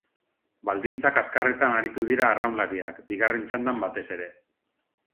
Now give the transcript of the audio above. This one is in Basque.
Baldintza kaskarretan aritu dira arraunlariak, bigarren txandan batez ere.